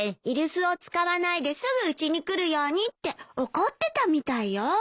「居留守を使わないですぐうちに来るように」って怒ってたみたいよ。